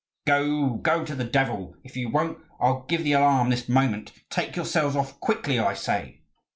"Go, go to the devil! If you won't, I'll give the alarm this moment. Take yourselves off quickly, I say!"